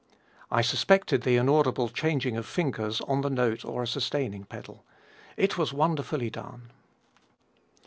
I suspected the inaudible changing of fingers on the note or a sustaining pedal. It was wonderfully done.